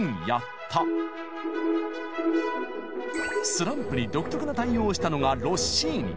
スランプに独特な対応をしたのがロッシーニ。